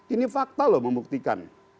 ini fakta loh membuktikan